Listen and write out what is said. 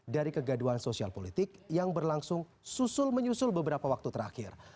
dari kegaduan sosial politik yang berlangsung susul menyusul beberapa waktu terakhir